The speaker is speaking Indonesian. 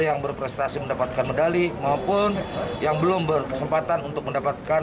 yang berprestasi mendapatkan medali maupun yang belum berkesempatan untuk mendapatkan